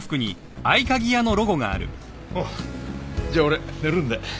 あっじゃあ俺寝るんで。